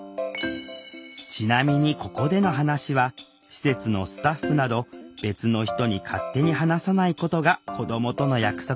ちなみにここでの話は施設のスタッフなど別の人に勝手に話さないことが子どもとの約束よ。